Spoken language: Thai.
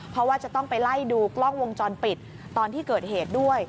เพราะว่าจะต้องไปไล่ดูกล้องวงจรปิดตอนที่เกิดเหตุด้วย